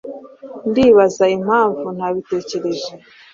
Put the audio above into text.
ndibaza impamvu ntabitekereje